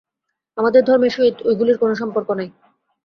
আমাদের ধর্মের সহিত ঐগুলির কোন সম্পর্ক নাই।